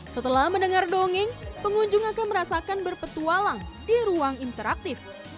setelah mendengar dongeng pengunjung akan merasakan berpetualang di ruang interaktif